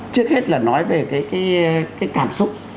trước hết là nói về cái cảm xúc